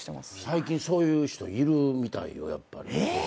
最近そういう人いるみたいよやっぱり。